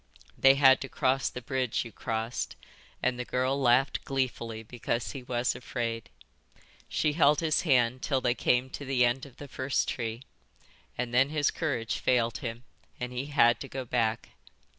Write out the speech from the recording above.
They had to cross the bridge you crossed, and the girl laughed gleefully because he was afraid. She held his hand till they came to the end of the first tree, and then his courage failed him and he had to go back.